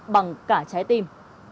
bằng cả trái tim